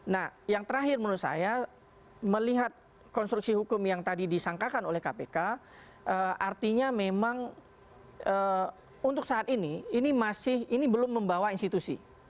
nah yang terakhir menurut saya melihat konstruksi hukum yang tadi disangkakan oleh kpk artinya memang untuk saat ini ini masih ini belum membawa institusi